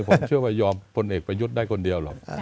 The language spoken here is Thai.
ครับครับผมเชื่อว่ายอมพลเอกไปยุดได้คนเดียวหรอกครับ